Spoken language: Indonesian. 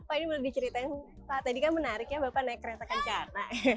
pak ini boleh diceritain tadi kan menarik ya bapak naik kereta kencana